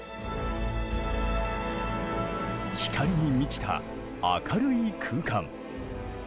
光に満ちた明るい空間。